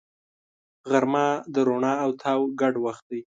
غرمه د رڼا او تاو ګډ وخت دی